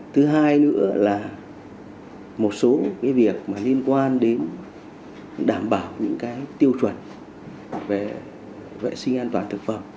thứ hai nữa là một số cái việc mà liên quan đến đảm bảo những cái tiêu chuẩn về vệ sinh an toàn thực phẩm